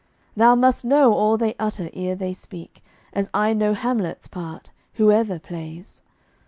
Thou must know all they utter ere they speak, As I know Hamlet's part, whoever plays.